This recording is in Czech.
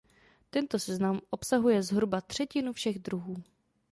Tento seznam obsahuje zhruba třetinu všech druhů.